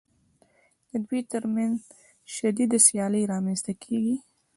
د دوی ترمنځ شدیده سیالي رامنځته کېږي